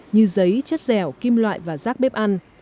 như giấy chất dẻo kim loại và rác bếp ăn